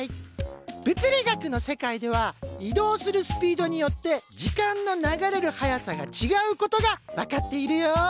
物理学の世界では移動するスピードによって時間の流れる速さがちがうことが分かっているよ。